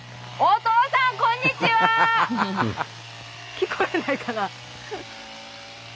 聞こえないかな？